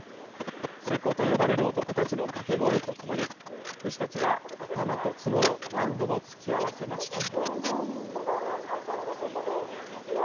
勢子と呼ばれる男たちの掛け声とともに、牛たちは頭と角を何度も突き合わせました。